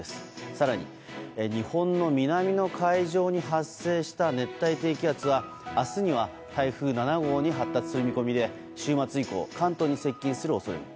更に日本の南の海上に発生した熱帯低気圧は明日には台風７号に発達する見込みで週末以降、関東に接近する恐れも。